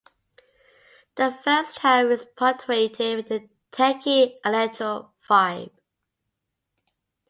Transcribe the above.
The first half is punctuated with a techy, electro vibe.